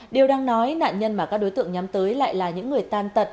điều đang nói nạn nhân mà các đối tượng nhắm tới lại là những người tan tật